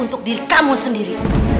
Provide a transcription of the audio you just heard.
untuk diri kamu sendiri